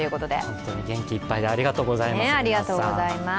ホントに元気いっぱいでありがとうございます、皆さん。